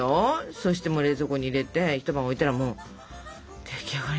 そして冷蔵庫に入れて一晩置いたらもう出来上がりなんだよ。